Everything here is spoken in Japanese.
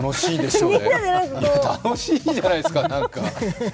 いや、楽しいんじゃないですか、何か。